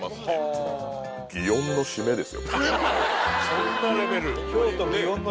そんなレベル？